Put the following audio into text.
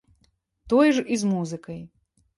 Тое ж і з музыкай.